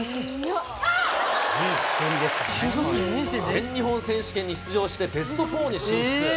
全日本選手権に出場してベスト４に進出。